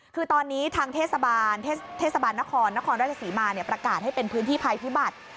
คือตอนนี้ทางเทศบาลเทศบาลนครนครราชศรีมาประกาศให้เป็นพื้นที่ภัยพิบัติ